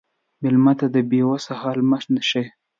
مېلمه ته د بې وسی حال مه ښیه.